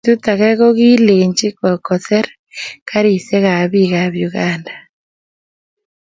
Betut age kokilech koser garisiekab bikab Uganda